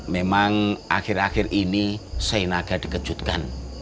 memang akhir akhir ini sainaga dikejutkan